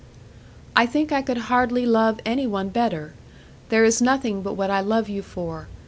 "I think I could hardly love any one better; there is nothing but what I love you for."